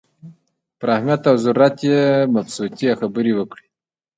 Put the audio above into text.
پر اهمیت او ضرورت یې مبسوطې خبرې وکړې.